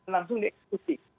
langsung di eksklusi